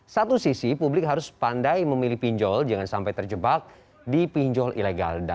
satu sisi publik harus pandai memilih pinjol jangan sampai terjebak di pinjol ilegal